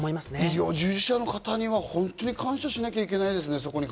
医療従事者の方には本当に感謝しないといけないですね。